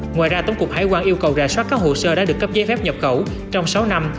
ngoài ra tổng cục hải quan yêu cầu rà soát các hồ sơ đã được cấp giấy phép nhập khẩu trong sáu năm